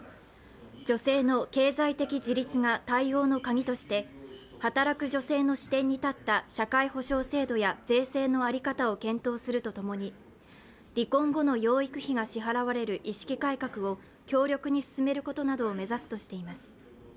女性の経済的自立が対応のカギとして働く女性の視点に立った社会保障制度や税制の在り方を検討するとともに離婚後の養育費が支払われる意識改革を強力に進めることなどを目指すとしています。